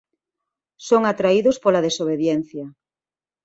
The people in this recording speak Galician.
Son atraídos pola desobediencia.